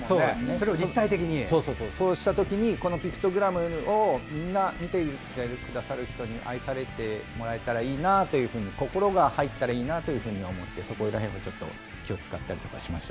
そうしたときにピクトグラムをみんな見てくださる人に愛されてもらえたらいいなと心が入ったらいいなと思ってそこら辺に気を使ったりとかしました。